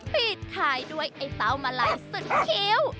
ปิดท้ายด้วยไอ้เต้ามาลัยสุดคิ้ว